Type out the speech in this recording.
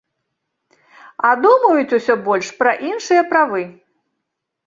А думаюць усё больш пра іншыя правы.